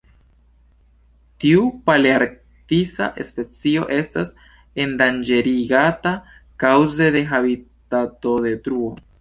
Tiu palearktisa specio estas endanĝerigata kaŭze de habitatodetruo.